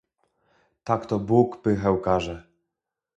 "Takto Bóg pychę karze."